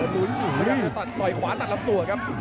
โดยต่อยขวาตัดลำตัวครับ